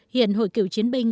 hiện hội kiều chiến binh